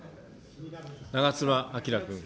長妻昭君。